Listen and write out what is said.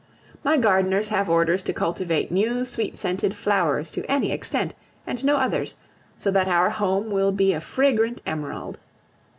My gardeners have orders to cultivate new sweet scented flowers to any extent, and no others, so that our home will be a fragrant emerald.